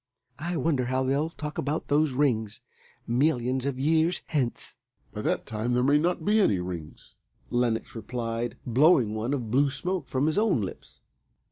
I wonder how they'll talk about those Rings millions of years hence." "By that time there may not be any Rings," Lenox replied, blowing one of blue smoke from his own lips.